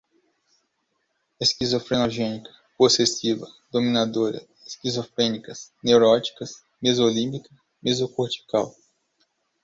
esquizofrenogénica, possessiva, dominadora, esquizofrênicas, neuróticas, mesolímbica, mesocortical